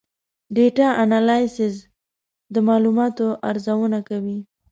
ډیټا انالیسز د معلوماتو ارزونه کوي.